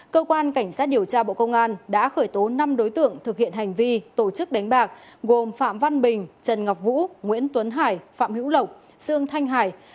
cơ quan cảnh sát điều tra bộ công an đã khởi tố năm đối tượng thực hiện hành vi tổ chức đánh bạc gồm phạm văn bình trần ngọc vũ nguyễn tuấn hải phạm hữu lộc dương thanh hải